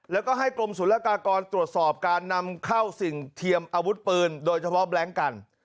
แล้วก็ให้กรมศุลกากรตรวจสอบการนำเข้าสิ่งเทียมอาวุธปืนโดยเฉพาะแบล็งกัน